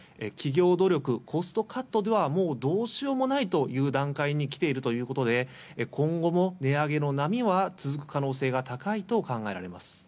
企業努力、コストカットではもうどうしようもないという段階に来ているということで今後も、値上げの波は続く可能性が高いと考えられます。